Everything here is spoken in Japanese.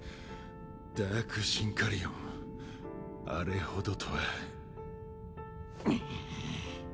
ダークシンカリオンあれほどとは。